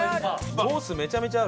ソースめちゃめちゃある。